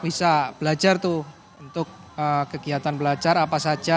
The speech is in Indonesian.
bisa belajar tuh untuk kegiatan belajar apa saja